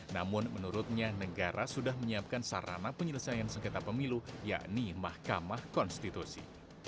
namun menurutnya negara sudah menyiapkan sarana penyelesaian sengketa pemilu yakni mahkamah konstitusi